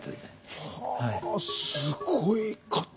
はあすごい方々。